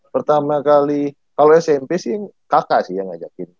pertama kali kalau smp sih kakak sih yang ngajakin